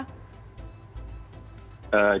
jadi untuk perhubungan